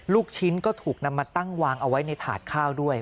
ลูกชิ้นก็ถูกนำมาตั้งวางเอาไว้ในถาดข้าวด้วย